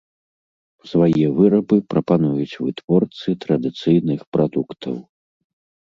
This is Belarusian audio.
Свае вырабы прапануюць вытворцы традыцыйных прадуктаў.